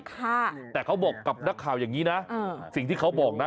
แต่เขาบอกกับนักข่าวอย่างนี้นะสิ่งที่เขาบอกนะ